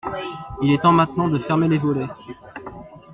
Il est temps maintenant de fermer les volets.